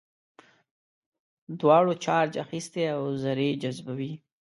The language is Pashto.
دواړو چارج اخیستی او ذرې جذبوي.